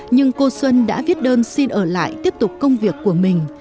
nhưng cô xuân đã viết đơn xin ở lại tiếp tục công việc của mình